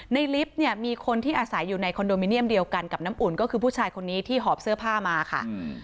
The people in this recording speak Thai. ลิฟต์เนี่ยมีคนที่อาศัยอยู่ในคอนโดมิเนียมเดียวกันกับน้ำอุ่นก็คือผู้ชายคนนี้ที่หอบเสื้อผ้ามาค่ะ